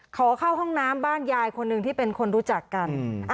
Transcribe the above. ขอเข้าห้องน้ำบ้านยายคนหนึ่งที่เป็นคนรู้จักกัน